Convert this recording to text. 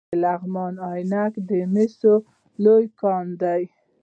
د لغمان عينک د مسو لوی کان دی